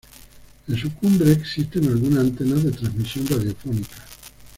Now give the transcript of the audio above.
En su cumbre existen algunas antenas de transmisión radiofónica.